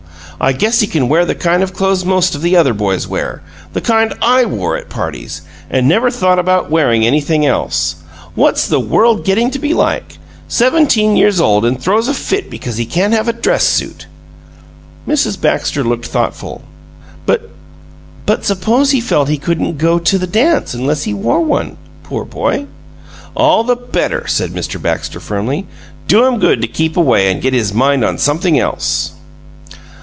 I guess he can wear the kind of clothes most of the other boys wear the kind I wore at parties and never thought of wearing anything else. What's the world getting to be like? Seventeen years old and throws a fit because he can't have a dress suit!" Mrs. Baxter looked thoughtful. "But but suppose he felt he couldn't go to the dance unless he wore one, poor boy " "All the better," said Mr. Baxter, firmly. "Do him good to keep away and get his mind on something else."